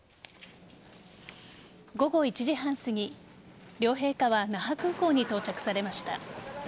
午後１時半すぎ、両陛下は那覇空港に到着されました。